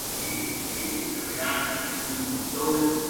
Pero algunos libros sueltos seguían editándose con el nombre antiguo.